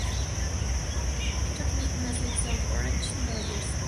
Tony Smith nació en South Orange, Nueva Jersey.